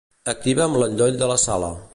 Activa'm l'endoll de la sala.